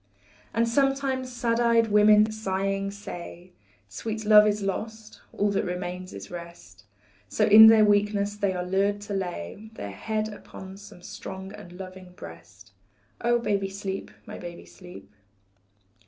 And sometimes sad eyed women sighing say, Sweet love is lost, all that remains is rest, So in their weakness they are lured to lay Their head upon some strong and loving breast. Oh, baby, sleep, my baby, sleep.